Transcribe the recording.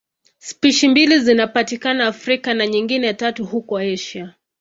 Spishi mbili zinapatikana Afrika na nyingine tatu huko Asia.